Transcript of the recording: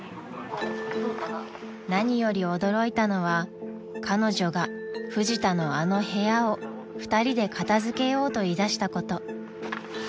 ［何より驚いたのは彼女がフジタのあの部屋を２人で片付けようと言いだしたこと］